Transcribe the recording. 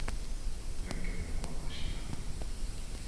Ten que ver coa maxia.